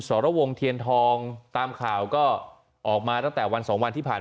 สรวงเทียนทองตามข่าวก็ออกมาตั้งแต่วันสองวันที่ผ่าน